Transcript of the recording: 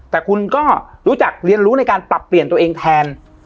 แต่คุณก็รู้จักเรียนรู้ในการปรับเปลี่ยนตัวเองแทน